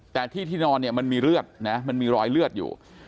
แต่ที่ที่นอนเนี่ยมันมีเลือดนะมันมีรอยเลือดอยู่